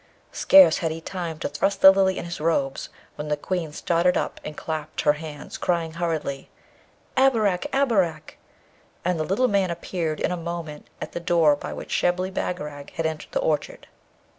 Scarce had he time to thrust the Lily in his robes, when the Queen started up and clapped her hands, crying hurriedly, 'Abarak! Abarak!' and the little man appeared in a moment at the door by which Shibli Bagarag had entered the orchard.